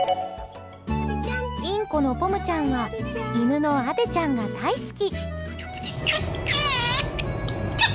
インコのポムちゃんは犬のアデちゃんが大好き。